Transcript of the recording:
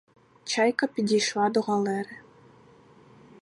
Чайка підійшла до галери.